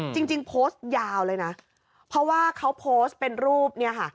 จริงโพสต์ยาวเลยนะเพราะว่าเขาโพสต์เป็นรูปเนี่ยค่ะ